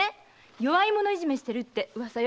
弱い者いじめしてるって噂よ。